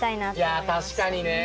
いや確かにね。